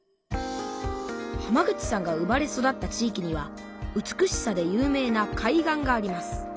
浜口さんが生まれ育った地いきには美しさで有名な海岸があります。